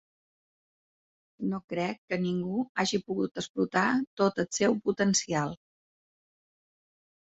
No crec que ningú hagi pogut explotar tot el seu potencial.